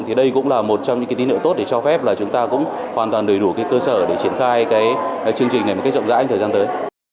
thì đây cũng là một trong những tín hiệu tốt để cho phép là chúng ta cũng hoàn toàn đầy đủ cái cơ sở để triển khai cái chương trình này một cách rộng rãi thời gian tới